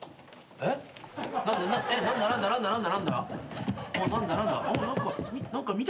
えっ？